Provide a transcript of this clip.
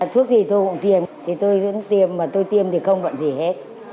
thuốc gì tôi cũng tiêm tôi cũng tiêm mà tôi tiêm thì không đoạn gì hết